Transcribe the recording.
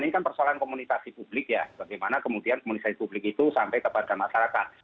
ini kan persoalan komunikasi publik ya bagaimana kemudian komunikasi publik itu sampai kepada masyarakat